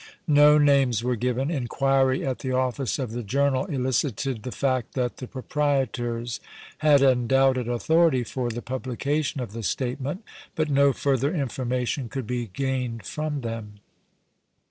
No names were given. Inquiry at the office of the journal elicited the fact that the proprietors had undoubted authority for the publication of the statement, but no further information could be gained from them.